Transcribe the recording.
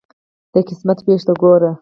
د قسمت ویش ته ګوره.